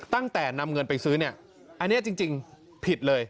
ตั้งแต่นำเงินไปซื้อเนี่ยอันนี้จริงผิดเลย